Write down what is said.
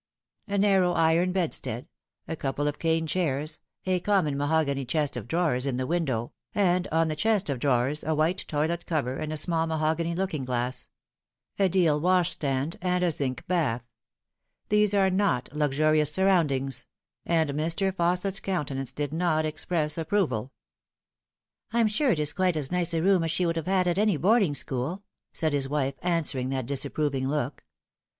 A narrow iron bedstead, a couple of cane chairs, a common mahogany chest of drawers in the window, and on the chest of drawers a white toilet cover and a small mahogany looking glass a deal washstand and a zinc bath. These are not luxurious surroundings ; and Mr. Fausset's countenance did not express approval. " I'm sure it is quite as nice a room as she would have at any boarding school," said his wife, answering that disapproving look.